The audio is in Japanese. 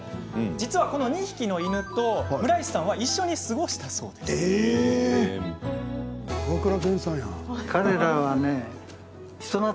実は、この２匹の犬と村石さんは一緒に過ごしたんだとか。